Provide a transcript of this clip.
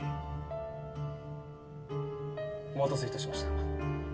お待たせいたしました。